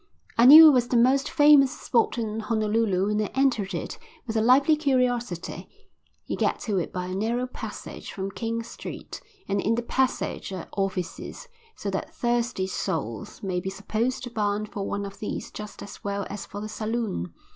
I knew it was the most famous spot in Honolulu and I entered it with a lively curiosity. You get to it by a narrow passage from King Street, and in the passage are offices, so that thirsty souls may be supposed bound for one of these just as well as for the saloon.